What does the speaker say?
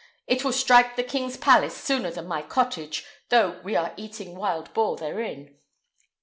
It will strike the king's palace sooner than my cottage, though we are eating wild boar therein."